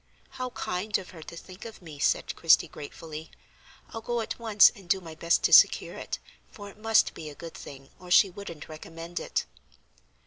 "How kind of her to think of me," said Christie, gratefully. "I'll go at once and do my best to secure it, for it must be a good thing or she wouldn't recommend it."